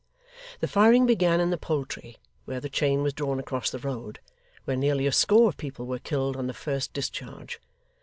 The firing began in the Poultry, where the chain was drawn across the road, where nearly a score of people were killed on the first discharge.